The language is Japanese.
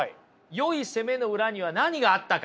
よい攻めの裏には何があったか。